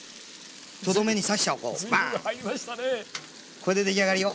これで出来上がりよ。